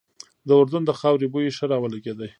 د اردن د خاورې بوی ښه را ولګېده.